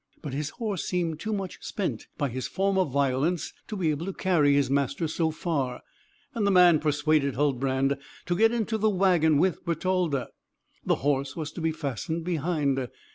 But his horse seemed too much spent by his former violence to be able to carry his master so far, and the man persuaded Huldbrand to get into the wagon with Bertalda. The horse was to be fastened behind.